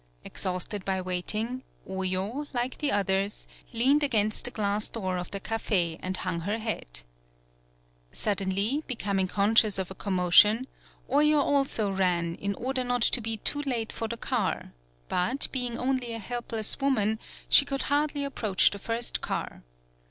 Exhausted by waiting, Oyo, like the others, leaned against the glass door of the Cafe and hung her head. Suddenly 78 THE BILL COLLECTING becoming conscious of a commotion, Oyo also ran in order not to be too late for the car, but, being only a helpless woman, she could hardly approach the first car.